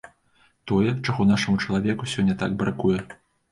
Тое, чаго нашаму чалавеку сёння так бракуе.